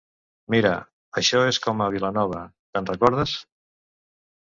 Mira, això és com a Vilanova, te'n recordes?